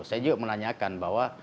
saya juga menanyakan bahwa